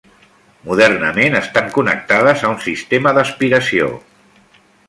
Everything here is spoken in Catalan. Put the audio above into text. Modernament estan connectades a un sistema d'aspiració.